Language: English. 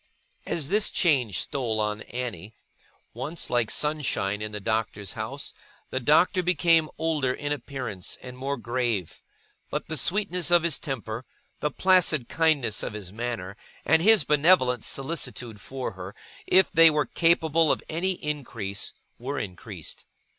As this change stole on Annie, once like sunshine in the Doctor's house, the Doctor became older in appearance, and more grave; but the sweetness of his temper, the placid kindness of his manner, and his benevolent solicitude for her, if they were capable of any increase, were increased.